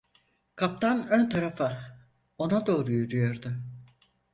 Kaptan ön tarafa, ona doğru yürüyordu.